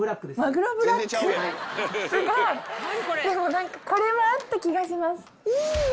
まずはこれはあった気がします。